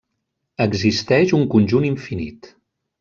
Existeix un conjunt infinit.